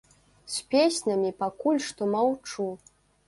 З песнямі пакуль што маўчу.